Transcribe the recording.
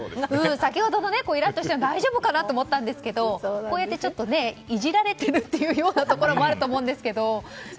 先ほどのイラッとしたのは大丈夫なのかなと思いましたがこうやっていじられているというようなところもあると思うんですけど。